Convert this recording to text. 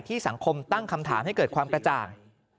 สังคมตั้งคำถามให้เกิดความกระจ่าง